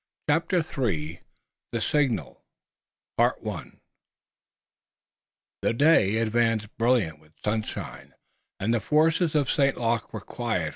CHAPTER III THE SIGNAL The day advanced, brilliant with sunshine, and the forces of St. Luc were quiet.